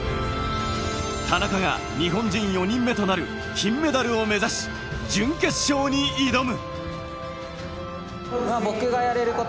田中が日本人４人目となる金メダルを目指し、準決勝に挑む。